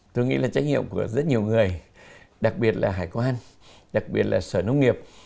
tôi nghĩ là trách nhiệm của rất nhiều người đặc biệt là hải quan đặc biệt là sở nông nghiệp